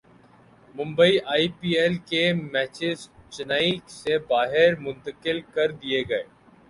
Mumbai I P L کے matches Chennai سے باہر منتقل کر دیئے گئے